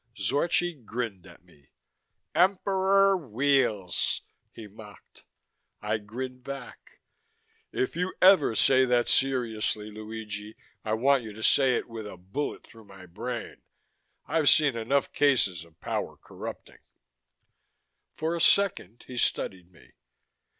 Zorchi grinned at me. "Emperor Weels!" he mocked. I grinned back. "If you ever say that seriously, Luigi, I want you to say it with a bullet through my brain. I've seen enough cases of power corrupting." For a second, he studied me.